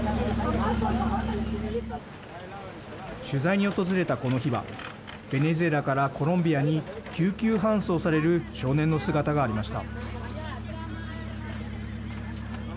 取材に訪れたこの日はベネズエラからコロンビアに救急搬送される少年の姿がありました。